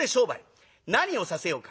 何をさせようか。